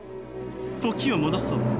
時を戻そう。